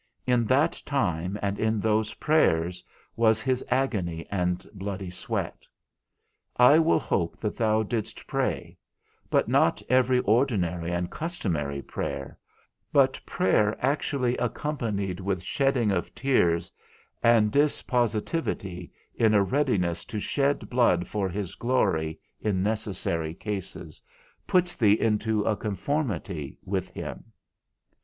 In that time, and in those prayers, was his agony and bloody sweat. I will hope that thou didst pray; but not every ordinary and customary prayer, but prayer actually accompanied with shedding of tears and dispositively in a readiness to shed blood for his glory in necessary cases, puts thee into a conformity with him.